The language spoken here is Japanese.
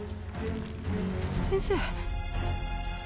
先生。